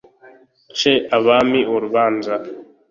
nce abami urubanza